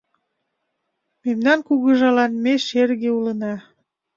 Мемнан кугыжалан ме шерге улына.